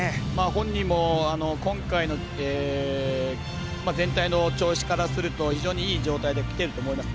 本人も今回の全体の調子からすると非常にいい状態できてると思います。